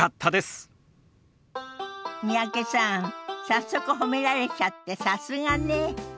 早速褒められちゃってさすがね。